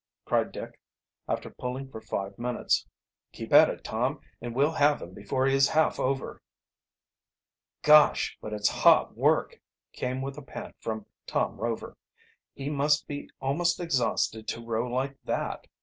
cried Dick, after pulling for five minutes. "Keep at it, Tom, and we'll have him before he is half over." "Gosh, but it's hot work!" came with a pant from Tom Rover. "He must be almost exhausted to row like that."